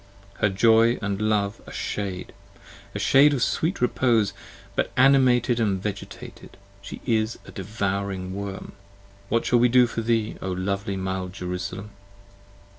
Her joy and love, a shade: a shade of sweet repose: But animated and vegetated, she is a devouring worm: What shall we do for thee, O lovely mild Jerusalem?